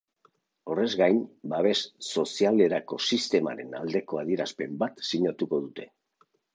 Horrez gain, babes sozialerako sistemaren aldeko adierazpen bat sinatuko dute.